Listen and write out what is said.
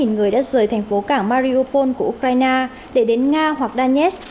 một trăm bốn mươi người đã rời thành phố cảng mariupol của ukraine để đến nga hoặc danetsk